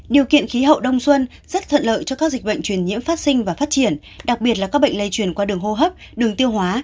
điều kiện khí hậu đông xuân rất thuận lợi cho các dịch bệnh truyền nhiễm phát sinh và phát triển đặc biệt là các bệnh lây truyền qua đường hô hấp đường tiêu hóa